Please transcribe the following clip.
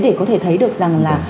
để có thể thấy được rằng là